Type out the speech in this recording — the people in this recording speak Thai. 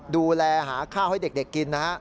ดูแลหาข้าวให้เด็กกินนะฮะ